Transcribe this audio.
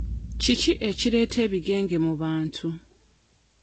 Kiki ekireeta ebigenge mu bantu?